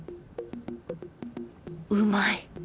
うまい！